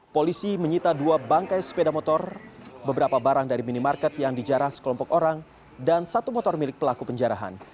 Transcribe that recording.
polisi menyita dua bangkai sepeda motor beberapa barang dari minimarket yang dijarah sekelompok orang dan satu motor milik pelaku penjarahan